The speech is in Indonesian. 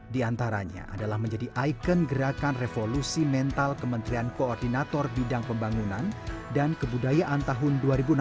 di antaranya adalah menjadi ikon gerakan revolusi mental kementerian koordinator bidang pembangunan dan kebudayaan tahun dua ribu enam belas